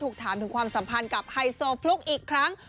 ถูกถามถึงความสัมพันธ์กับไฮโซโปรไฟล์หล่อเลือดอีกครั้ง